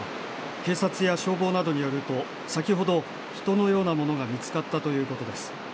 警察や消防などによると、先ほど人のようなものが見つかったということです。